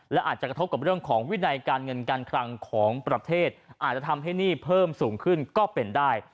และอาจจะกระทบกับเรื่องของวินัยการเงินการคลังของประเทศอาจจะทำให้หนี้เพิ่มสูงขึ้นก็เป็นได้